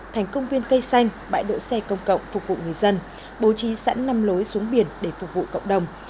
thành công viên cây xanh bãi độ xe công cộng phục vụ người dân bố trí sẵn năm lối xuống biển để phục vụ cộng đồng